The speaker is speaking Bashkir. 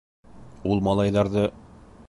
Ул малайҙарҙы: